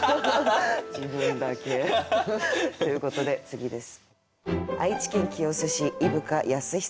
自分だけ。ということで次です。